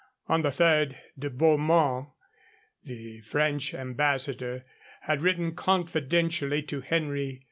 On the 3rd, De Beaumont, the French ambassador, had written confidentially to Henry IV.